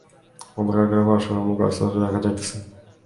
অন্ধকার ঘরে পরস্পরের মুখ অস্পষ্টভাবে দেখা যাইতেছে।